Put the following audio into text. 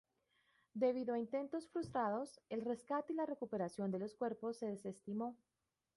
Debido a intentos frustrados, el rescate y la recuperación de los cuerpos se desestimó.